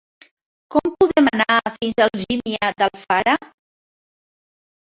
Com podem anar fins a Algímia d'Alfara?